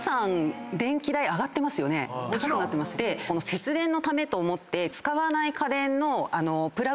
節電のためと思って使わない。